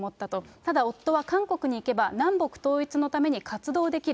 ただ夫は、韓国に行けば、南北統一のために活動できる。